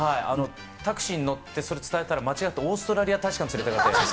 タクシーに乗ってそれを伝えたら間違って、オーストラリア大使館に連れていかれて。